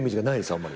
あんまり。